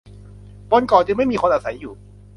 บนเกาะจึงไม่มีคนอาศัยอยู่